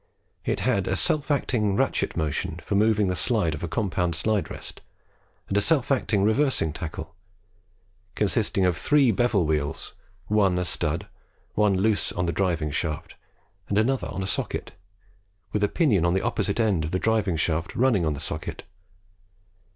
It had a self acting ratchet motion for moving the slides of a compound slide rest, and a self acting reversing tackle, consisting of three bevel wheels, one a stud, one loose on the driving shaft, and another on a socket, with a pinion on the opposite end of the driving shaft running on the socket.